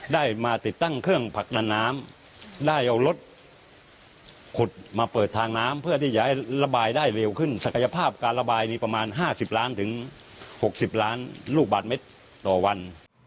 ได้มาติดตั้งเครื่องผลักดันน้ำได้เอารถขุดมาเปิดทางน้ำเพื่อที่จะให้ระบายได้เร็วขึ้นศักยภาพการระบายนี้ประมาณ๕๐ล้านถึง๖๐ล้านลูกบาทเมตรต่อวัน